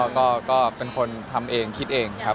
ก็เป็นคนทำเองคิดเองครับ